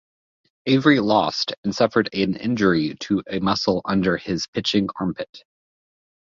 Avery lost and suffered an injury to a muscle under his pitching armpit.